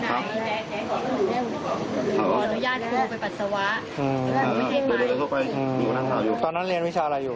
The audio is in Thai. ตอนนั้นเรียนวิชาอะไรอยู่